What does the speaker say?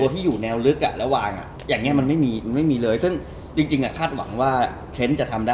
ซื้อขายไลวอร์เกอร์ซื้อเฮียซื้อใครมาก็ได้